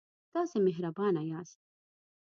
تاسې مهربانه یاست.